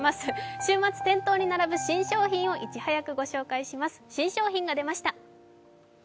週末、店頭に並ぶ新商品をいち早くご紹介します、新商品が出ました。